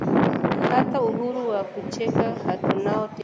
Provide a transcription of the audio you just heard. Hata uhuru wa kucheka hatunao tena